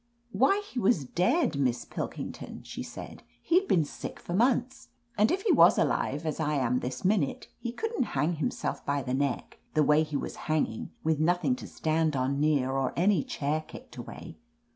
"Why, he was dead. Miss Pilkington," she said. "He'd been sick for months, and 'if he was alive as I am this minute, he couldn't hang himself by the neck, the way he was hanging, with nothing to stand on near, or any chair kicked away.